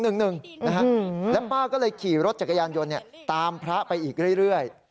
แล้วป้าก็เลยขี่รถจักรยานยนต์ตามพระไปอีกเรื่อย